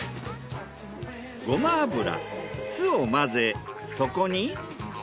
ごま油酢を混ぜそこに。